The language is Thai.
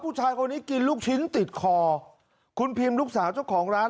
ผู้ชายคนนี้กินลูกชิ้นติดคอคุณพิมลูกสาวเจ้าของร้าน